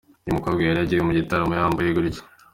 Uyu mukobwa yari yagiye mu gitaramo yambaye gutya!!.